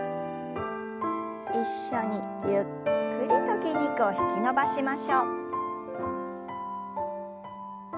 一緒にゆっくりと筋肉を引き伸ばしましょう。